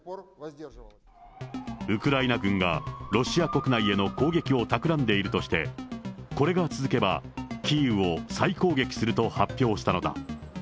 ウクライナ軍が、ロシア国内への攻撃をたくらんでいるとして、これが続けば、キーウを再攻撃すると発表したのだ。